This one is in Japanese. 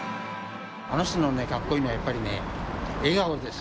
あの人のねかっこいいのはやっぱりね笑顔です。